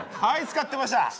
はい使ってました。